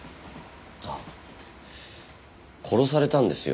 ああ殺されたんですよ